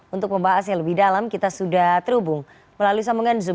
untuk membahasnya lebih dalam kita sudah terhubung melalui sambungan zoom